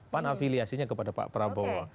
pan afiliasinya kepada pak prabowo